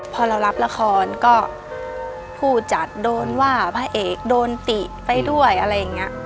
พอเรารับละครก็ผู้จัดโดนว่าพระเอกโดนติไปด้วยอะไรอย่างนี้